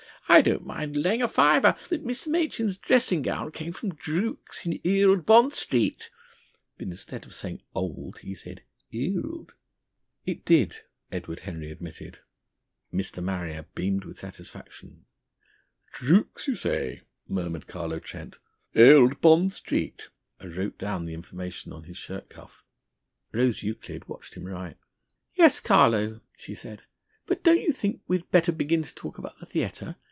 "I don't mind laying a fiver that Mr. Machin's dressing gown came from Drook's in Old Bond Street." But instead of saying "old" he said "ehoold." "It did," Edward Henry admitted. Mr. Marrier beamed with satisfaction. "Drook's, you say?" murmured Carlo Trent. "Old Bond Street?" and wrote down the information on his shirt cuff. Rose Euclid watched him write. "Yes, Carlo," said she. "But don't you think we'd better begin to talk about the theatre?